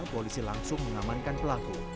polisi langsung mengamankan usulnya